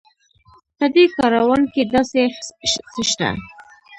په دې کاروان کې داسې څه شته.